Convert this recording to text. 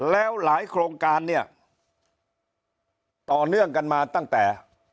แล้วหลายโครงการเนี่ยต่อเนื่องกันมาตั้งแต่